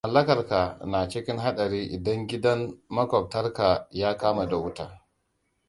Mallakar ka na cikin haɗari idan gidan makobtar ka ya kama da wuta.